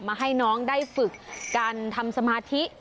มาให้น้องได้ฝึกการทำสมาธิ